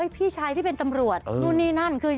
พี่ชายที่เป็นตำรวจฮู่นี่หน้านายน้อย